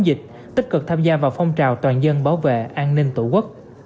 dịch tích cực tham gia vào phong trào toàn dân bảo vệ an ninh tổ quốc